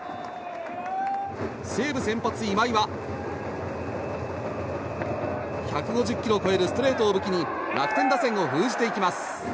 西武先発、今井は１５０キロを超えるストレートを武器に楽天打線を封じていきます。